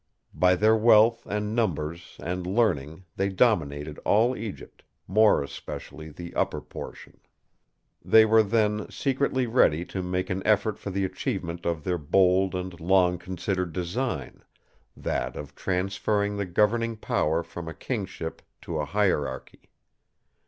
By their wealth and numbers and learning they dominated all Egypt, more especially the Upper portion. They were then secretly ready to make an effort for the achievement of their bold and long considered design, that of transferring the governing power from a Kingship to a Hierarchy.